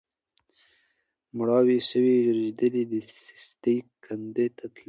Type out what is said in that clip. مړاوي سوي رژېدلي د نېستۍ کندي ته تللي